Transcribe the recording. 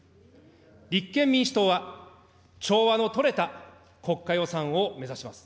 立憲民主党は、調和のとれた国家予算を目指します。